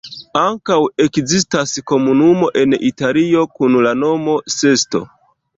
Ankaŭ ekzistas komunumo en Italio kun la nomo Sesto.